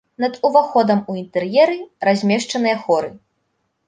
Над уваходам у інтэр'еры размешчаныя хоры.